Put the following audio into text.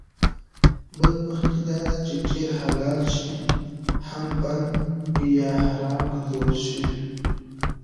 بدبختي داده چې ډېر حلال شی هم بند یا حرام ګرځول شوي